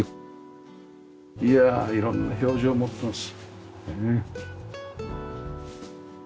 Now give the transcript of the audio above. いやあ色んな表情を持ってます。